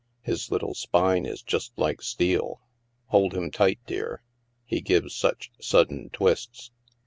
His little spine is just like steel. Hold him tight, dear. He gives such sudden twists."